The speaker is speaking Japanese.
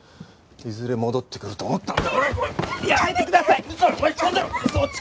いずれ戻ってくると思ったんだよ。